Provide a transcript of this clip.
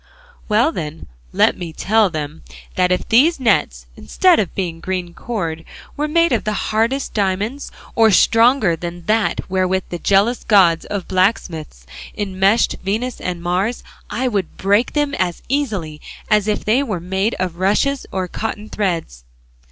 Well then let me tell them that if these nets, instead of being green cord, were made of the hardest diamonds, or stronger than that wherewith the jealous god of blacksmiths enmeshed Venus and Mars, I would break them as easily as if they were made of rushes or cotton threads."